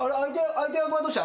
相手役はどうした？